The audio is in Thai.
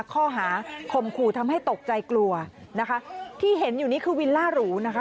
ข้อหาคมขู่ทำให้ตกใจกลัวนะคะที่เห็นอยู่นี้คือวิลล่าหรูนะคะ